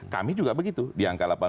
kami juga begitu di angka